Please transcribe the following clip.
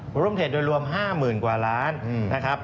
ว่าร่วมเทรดโดยรวม๕๐๐๐๐๐๐๐กว่าล้านครับ